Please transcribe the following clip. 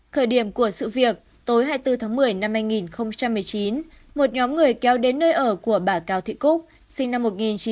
thời điểm của sự việc tối hai mươi bốn tháng một mươi năm hai nghìn một mươi chín một nhóm người kéo đến nơi ở của bà cao thị cúc sinh năm một nghìn chín trăm tám mươi